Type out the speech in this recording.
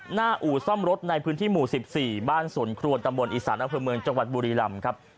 อู่ซ่อมรถในพื้นที่หมู่๑๔บ้านสวนครัวตำบลอีสานอำเภอเมืองจังหวัดบุรีรำครับ